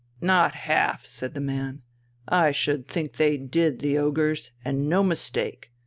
"Not half!" said the man. "I should think they did, the ogres, and no mistake!